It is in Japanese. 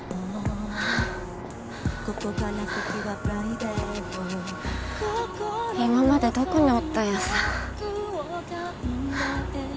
優優今までどこにおったんやさ？